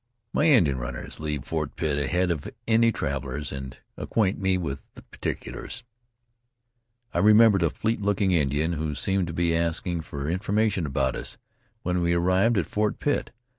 "My Indian runners leave Fort Pitt ahead of any travelers, and acquaint me with particulars." "I remembered a fleet looking Indian who seemed to be asking for information about us, when we arrived at Fort Pitt.